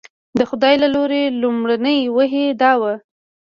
د خدای له لوري لومړنۍ وحي دا وه.